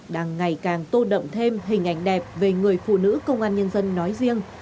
đang ngày càng tô đậm thêm hình ảnh đẹp về người phụ nữ công an nhân dân nói riêng